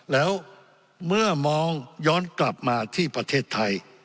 แล้วเมื่อมองย้อนกลับมาที่ประเทศไทย